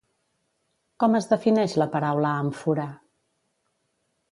Com es defineix la paraula àmfora?